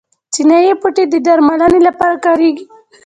چینايي بوټي د درملنې لپاره کاریږي.